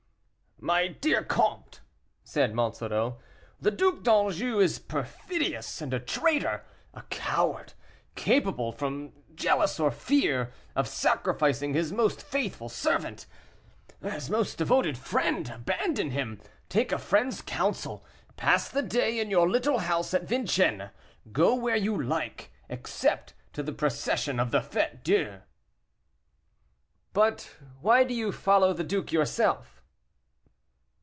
"My dear comte," said Monsoreau, "the Duc d'Anjou is perfidious and a traitor; a coward, capable, from jealous or fear, of sacrificing his most faithful servant his most devoted friend; abandon him, take a friend's counsel, pass the day in your little house at Vincennes, go where you like, except to the procession of the Fête Dieu." "But why do you follow the duke yourself?"